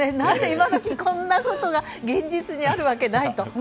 今時こんなことが現実にあるわけないと。